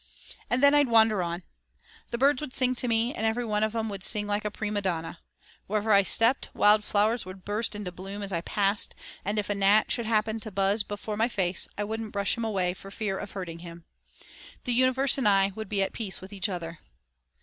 And then I'd wander on. The birds would sing to me and every one of 'em would sing like a prima donna. Wherever I stepped, wild flowers would burst into bloom as I passed, and if a gnat should happen to buzz before my face I wouldn't brush him away for fear of hurting him. The universe and I would be at peace with each other."